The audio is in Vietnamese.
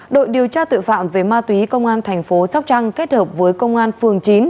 đội điều tra tội phạm về ma túy công an thành phố sóc trăng kết hợp với công an phường chín